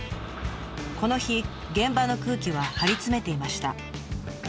この日現場の空気は張り詰めていました。